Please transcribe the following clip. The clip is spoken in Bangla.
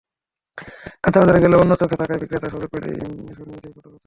কাঁচাবাজারে গেলেও অন্য চোখে তাকায় বিক্রেতারা, সুযোগ পেলেই শুনিয়ে দেয় কটু কথা।